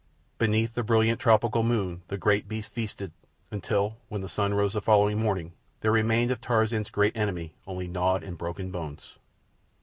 Beneath the brilliant tropic moon the great beast feasted until, when the sun rose the following morning, there remained of Tarzan's great enemy only gnawed and broken bones.